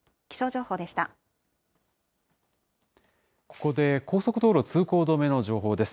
ここで高速道路通行止めの情報です。